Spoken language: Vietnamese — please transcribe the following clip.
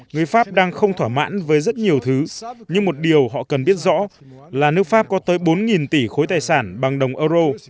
người pháp đang không thỏa mãn với rất nhiều thứ nhưng một điều họ cần biết rõ là nước pháp có tới bốn tỷ khối tài sản bằng đồng euro